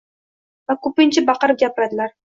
va ko‘pincha baqirib gapiradilar.